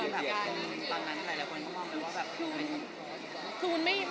แต่ตอนนั้นหลายคนก็คงคงไม่รู้ว่า